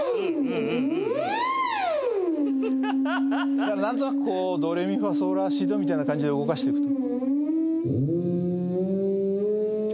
だからなんとなくこうドレミファソラシドみたいな感じで動かしていくと。